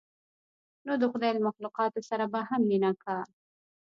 نو د خداى له مخلوقاتو سره به هم مينه کا.